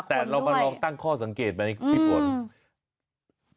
แต่เรามาลองตั้งข้อสังเกตไหมพี่ฝน